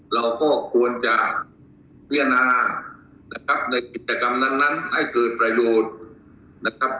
เราก็ควรจะพิจารณานะครับในกิจกรรมนั้นให้เกิดประโยชน์นะครับ